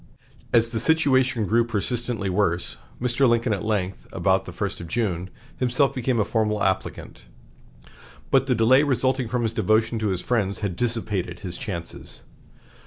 As the situation grew persistently worse, Mr. Lincoln at length, about the first of June, himself became a formal applicant. But the delay resulting from his devotion to his friends had dissipated his chances.